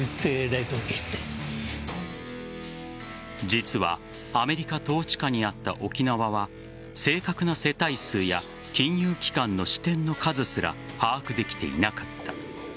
実は、アメリカ統治下にあった沖縄は正確な世帯数や金融機関の支店の数すら把握できていなかった。